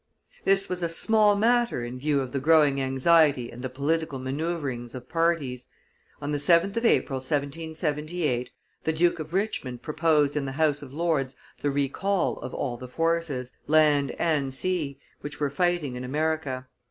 This was a small matter in view of the growing anxiety and the political manoeuvrings of parties. On the 7th of April, 1778, the Duke of Richmond proposed in the House of Lords the recall of all the forces, land and sea, which were fighting in America.